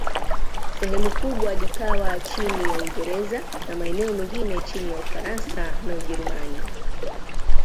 Sehemu kubwa likawa chini ya Uingereza, na maeneo mengine chini ya Ufaransa na Ujerumani.